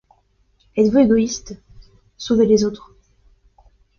Êtes-vous égoïstes? sauvez les autres.